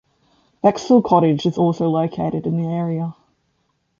Bexell Cottage is also located in the area.